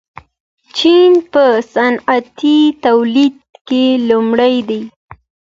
چین په صنعتي تولید کې لومړی دی.